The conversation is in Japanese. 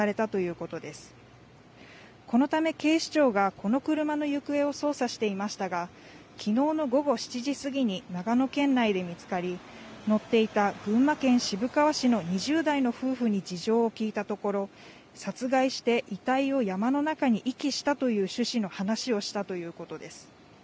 このため警視庁がこの車の行方を捜査していましたが、きのうの午後７時過ぎに長野県内で見つかり、乗っていた群馬県渋川市の２０代の夫婦に事情を聴いたところ、殺害して遺体を山の中に遺棄したという趣旨の話をしたということです。